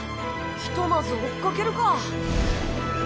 ひとまず追っかけるか。